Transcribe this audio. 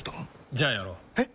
じゃあやろう。え？